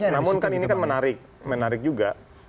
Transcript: namun kan ini kan menarik juga